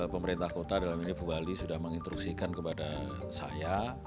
pemerintah kota dalam ini bu wali sudah menginstruksikan kepada saya